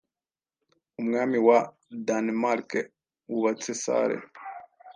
Umwami wa Danemarke wubatse sale